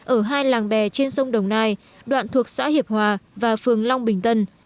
ở hai làng bè trên sông đồng nai đoạn thuộc xã hiệp hòa và phường long bình tân